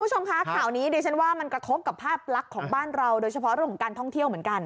ดูชมค่ะข่าวนี้ดิฉันว่ามันกระโค้กกับภาพรักษ์ของบ้านเราโดยเฉพาะธนการท่องเที่ยวเหมือนกัน